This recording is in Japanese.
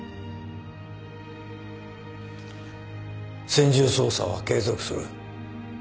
専従捜査は継続する。